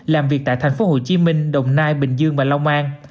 làm việc tại thành phố hồ chí minh đồng nai bình dương và long an